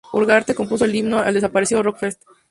Ugarte compuso el Himno al desaparecido Rock Fest.